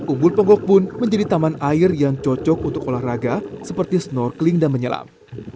umbul ponggok pun menjadi taman air yang cocok untuk olahraga seperti snorkeling dan menyelam